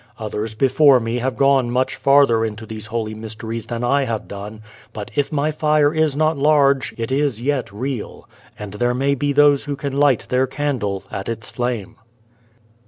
Others before me have gone much farther into these holy mysteries than I have done, but if my fire is not large it is yet real, and there may be those who can light their candle at its flame.